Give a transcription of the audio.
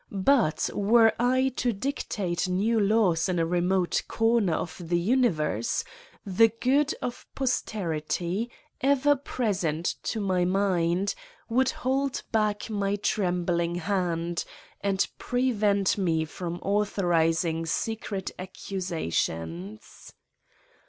But, were I to dictate new laws in a remote cor ner of the universe, the good of posterity, ever present to my mind^ would hold back my trembling hand, and prevent me from authorising secret ac cusations.